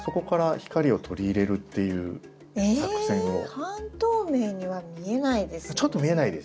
半透明には見えないです。